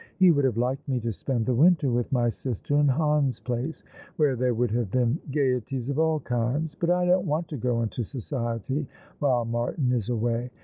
He would have liked me to spend the winter with my sister in Hans Place, where there would have been gaieties of all kinds ; but I don't want to go into society while Martin is away.